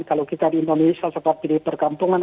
kalau kita di indonesia seperti di perkampungan